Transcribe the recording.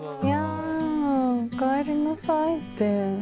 「おかえりなさい」っていい。